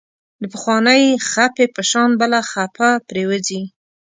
د پخوانۍ خپې په شان بله خپه پرېوځي.